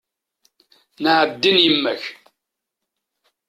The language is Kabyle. Naɛdin yemma-k!